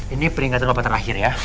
ini peringatan obat terakhir ya